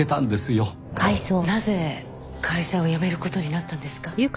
なぜ会社を辞める事になったんですか？